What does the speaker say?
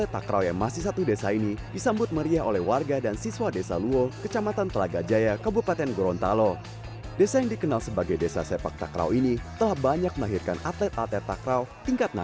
tim sepak takraw yang baru datang ini pun langsung diarak keliling kota